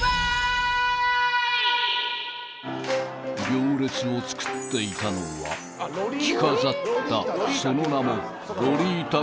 ［行列を作っていたのは着飾ったその名も］